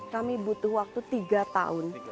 kami butuh waktu tiga tahun